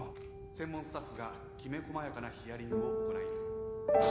専門スタッフがきめ細やかなヒアリングを行い。